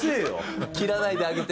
切らないであげて。